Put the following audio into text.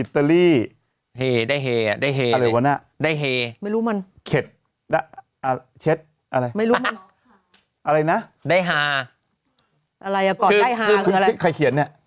เป็นใครเขียนแน่